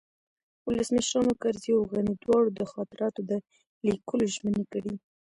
ولسمشرانو کرزي او غني دواړو د خاطراتو د لیکلو ژمني کړې